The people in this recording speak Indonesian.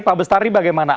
pak bestari bagaimana